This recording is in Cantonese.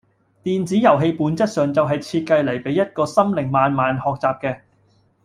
電子遊戲本質上就係設計嚟俾一個心靈慢慢學習嘅